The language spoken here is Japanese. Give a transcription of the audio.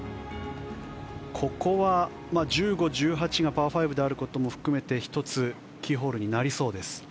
ここは１５、１８がパー５であることも含めて１つキーホールになりそうです。